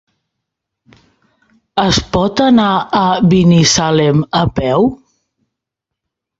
Es pot anar a Binissalem a peu?